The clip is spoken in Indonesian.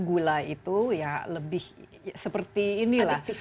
gula itu ya lebih seperti inilah